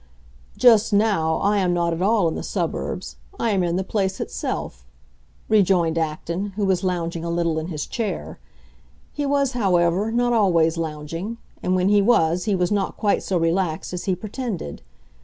"Just now I am not at all in the suburbs; I am in the place itself," rejoined Acton, who was lounging a little in his chair. He was, however, not always lounging; and when he was he was not quite so relaxed as he pretended.